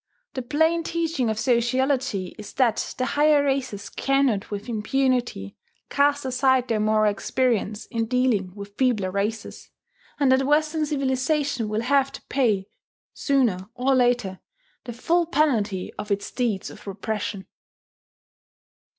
The plain teaching of sociology is that the higher races cannot with impunity cast aside their moral experience in dealing with feebler races, and that Western civilization will have to pay, sooner or later, the full penalty of its deeds of oppression.